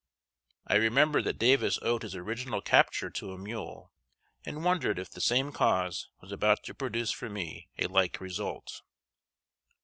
I remembered that Davis owed his original capture to a mule, and wondered if the same cause was about to produce for me a like result.